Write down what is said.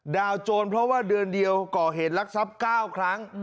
โจรเพราะว่าเดือนเดียวก่อเหตุลักษัพ๙ครั้ง